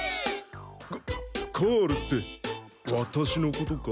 カカールってワタシのことか？